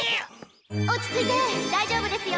落ち着いて大丈夫ですよ。